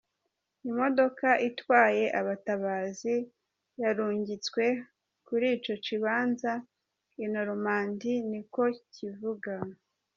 Imodoka itwaye abatabazi yarungitswe muri ico kibanza i Normandie, niko kivuga.